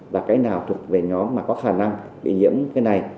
và cái nào thuộc về nhóm mà có khả năng bị nhiễm cái này